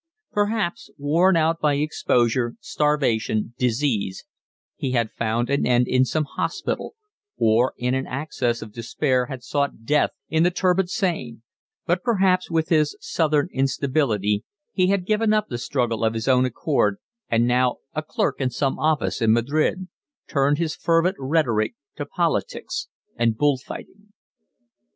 Perhaps, worn out by exposure, starvation, disease, he had found an end in some hospital, or in an access of despair had sought death in the turbid Seine; but perhaps with his Southern instability he had given up the struggle of his own accord, and now, a clerk in some office in Madrid, turned his fervent rhetoric to politics and bull fighting.